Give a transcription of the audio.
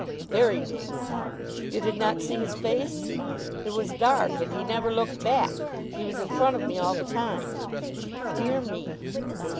"Very big." "You did not see his face?" "It was dark and he never looked back he was in front of me all the time." "Dear me!"